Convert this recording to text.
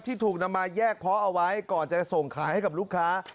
ถูกนำมาแยกเพาะเอาไว้ก่อนจะส่งขายให้กับลูกค้า